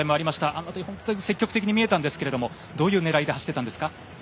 あの辺り積極的に見えたんですがどういう狙いで走ったんですか？